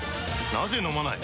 なぜ飲まない？